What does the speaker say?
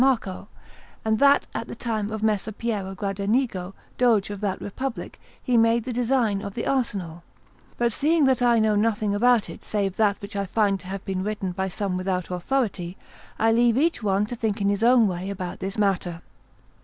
Marco, and that at the time of Messer Piero Gradenigo, Doge of that Republic, he made the design of the Arsenal; but seeing that I know nothing about it save that which I find to have been written by some without authority, I leave each one to think in his own way about this matter.